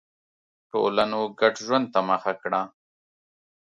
ټولنو ګډ ژوند ته مخه کړه.